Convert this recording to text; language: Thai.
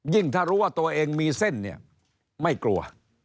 ถ้ารู้ว่าตัวเองมีเส้นเนี่ยไม่กลัว